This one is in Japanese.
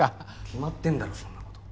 決まってんだろそんなこと。